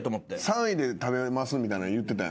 ３位で食べますみたいなん言うてたやんな。